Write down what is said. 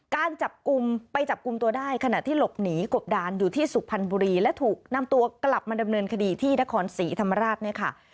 การจับกลุ่มไปจับกลุ่มตัวได้ขณะที่หลบหนีกบดานอยู่ที่สุพรรณบุรีและถูกนำตัวกลับมาดำเนินคดีที่นครศรีธรรมราชเนี่ยค่ะ